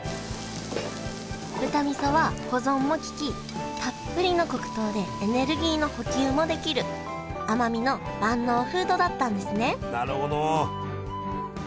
豚味噌は保存もききたっぷりの黒糖でエネルギーの補給もできる奄美の万能フードだったんですねなるほど。